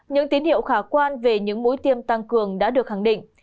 những tín hiệu khả quan về những mũi tiêm tăng cường đã được khẳng định